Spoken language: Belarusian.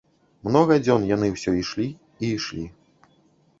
Многа дзён яны ўсё ішлі і ішлі.